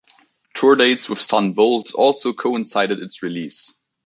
Tour dates with Son Volt also coincided its release.